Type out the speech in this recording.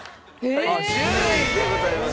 １０位でございます。